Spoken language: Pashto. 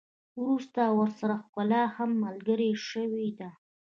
وروسته ورسره ښکلا هم ملګرې شوې ده.